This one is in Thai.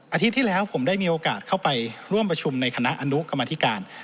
อาทิตย์ที่แล้วผมได้มีโอกาสเข้าไปร่วมประชุมในคณะอนุกรรมธิการ